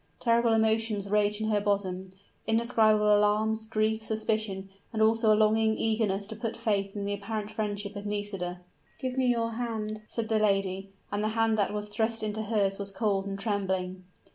Terrible emotions raged in her bosom indescribable alarms, grief, suspicion, and also a longing eagerness to put faith in the apparent friendship of Nisida. "Give me your hand," said the lady; and the hand that was thrust into hers was cold and trembling.